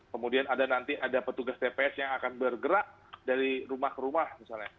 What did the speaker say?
kemudian ada nanti ada petugas tps yang akan bergerak dari rumah ke rumah misalnya